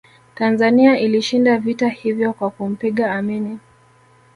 tanzania ilishinda vita hivyo kwa kumpiga amini